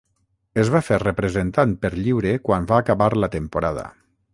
Es va fer representant per lliure quan va acabar la temporada.